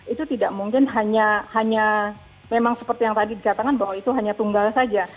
itu tidak mungkin hanya memang seperti yang tadi dikatakan bahwa itu hanya tunggal saja